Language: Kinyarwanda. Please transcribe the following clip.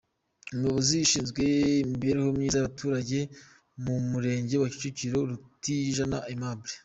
Umuyobozi ushinzwe imibereho myiza y’abaturage mu Murenge wa Kicukiro, Rutijana Aimable.